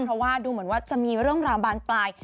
เพราะว่าดูเหมือนว่าจะมีเรื่องราวบานปลาย